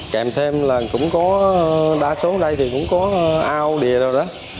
kèm thêm là cũng có đa số ở đây thì cũng có ao đìa rồi đó